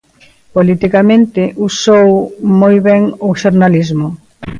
Politicamente usou moi ben o xornalismo.